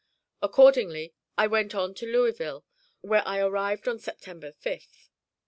Accordingly I went on to Louisville, where I arrived on September 5th.